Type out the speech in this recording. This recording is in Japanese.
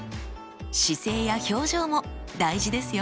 姿勢や表情も大事ですよ。